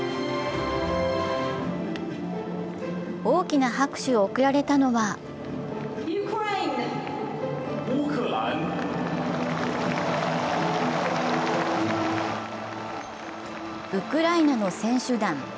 大きな拍手を送られたのはウクライナの選手団。